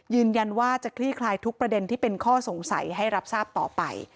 ยืนยันว่าจะคลี่คลายทุกประเด็นที่เป็นข้อสงสัยให้รับทราบต่อไป